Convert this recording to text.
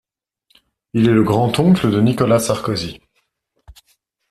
Il est le grand-oncle de Nicolas Sarkozy.